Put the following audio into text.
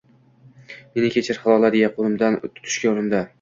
Meni kechir, Hilola, deya qo`limdan tutishga urindi